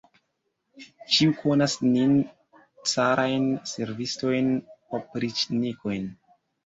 Ĉiu konas nin, carajn servistojn, opriĉnikojn!